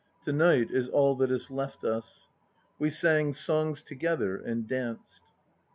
To night is all that is left us." We sang songs together, and danced.